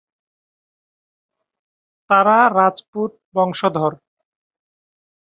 তারা রাজপুত বংশধর।